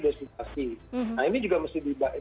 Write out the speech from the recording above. desinasi nah ini juga mesti